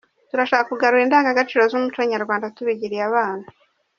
Turashaka kugarura indangagaciro z’umuco wacu tubigirira abana.